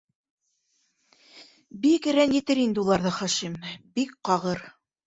Бик рәнйетер инде уларҙы Хашим, бик ҡағыр...